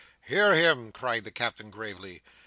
"Hear him!" cried the Captain gravely.